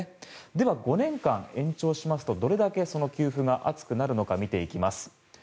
では、５年間延長しますとどれだけ給付が厚くなるのか見ていきます。